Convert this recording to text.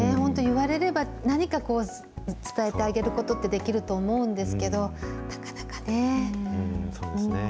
本当に言われれば、何か伝えてあげることってできると思うんですけど、なかなかね。